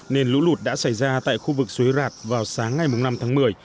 nên lũ lụt đã xảy ra tại khu vực suối rạc vào sáng ngày năm tháng một mươi